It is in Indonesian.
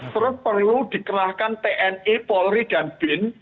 terus perlu dikerahkan tni polri dan bin